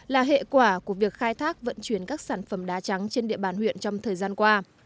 là hệ quả của việc khai thác vận chuyển các sản phẩm đá trắng trên địa bàn huyện trong thời gian qua